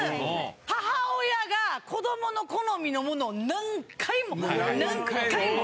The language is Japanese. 母親が子どもの好みのものを何回も何回も。